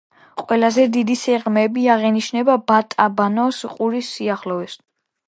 ყველაზე დიდი სიღრმეები აღინიშნება ბატაბანოს ყურის სიახლოვეს.